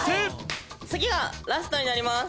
次がラストになります。